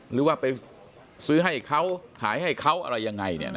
หรือว่าไปซื้อให้เขาขายให้เขาอะไรยังไง